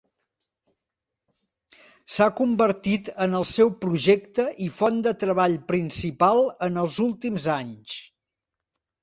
S'ha convertit en el seu projecte i font de treball principal en els últims anys.